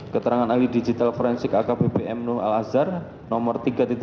keterangan alih digital forensik akbpm nur al azhar nomor tiga lima puluh delapan